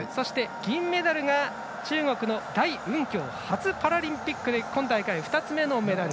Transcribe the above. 銀メダルが中国の代雲強初パラリンピックで今大会２つ目のメダル。